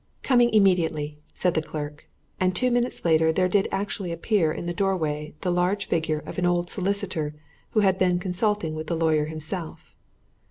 "Coming immediately," said the clerk; and two minutes later there did actually appear in the doorway the large figure of an old solicitor who had been consulting with the lawyer himself.